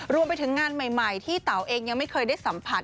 รวมไปถึงงานใหม่ที่เต๋าเองยังไม่เคยได้สัมผัส